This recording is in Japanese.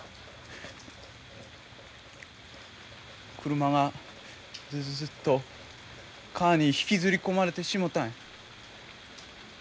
車がズズズッと川に引きずり込まれてしもたんや。